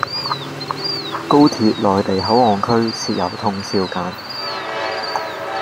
高鐵內地口岸區設有通宵更